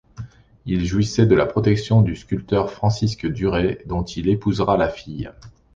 Il jouissait de la protection du sculpteur Francisque Duret, dont il épousera la fille.